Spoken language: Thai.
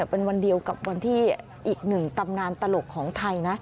เป็นวันเดียวกับวันที่อีกหนึ่งตำนานตลกของไทยนะ